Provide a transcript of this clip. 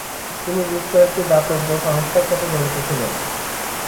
তিনি বেশ কয়েকটি দাতব্য সংস্থার সাথে জড়িত ছিলেন।